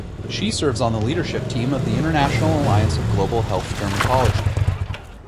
She serves on the leadership team of the International Alliance of Global Health Dermatology.